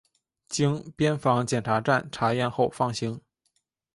经边防检查站查验后放行。